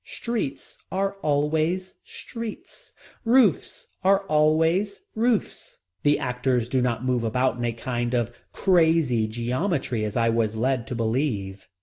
Streets are always streets, roofs are always roofs. The actors do not move about in a kind of crazy geometry as I was led to believe.